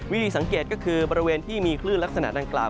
วิธีสังเกตก็คือบริเวณที่มีคลื่นลักษณะดังกล่าว